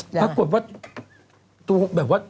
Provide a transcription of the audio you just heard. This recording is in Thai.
ปรากฏว่า